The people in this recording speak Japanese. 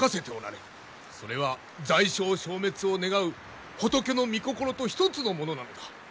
それは罪障消滅を願う仏のみ心と一つのものなのだ。